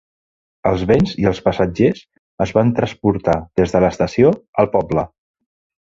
Els bens i els passatgers es van transportar des de l"estació al poble.